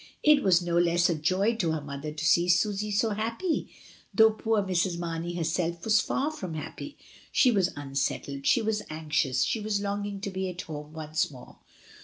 It was no less a joy to her mother to see Susy so happy, though poor Mrs. Marney herself was far from happy; she was unsettled, she was anxious, she was longing to be at home once more.